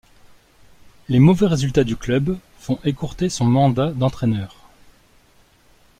Les mauvais résultats du club font écourter son mandat d'entraîneur.